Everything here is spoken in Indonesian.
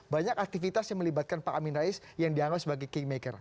banyak aktivitas yang melibatkan pak amin rais yang dianggap sebagai kingmaker